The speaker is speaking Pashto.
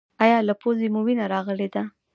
ایا له پوزې مو وینه راغلې ده؟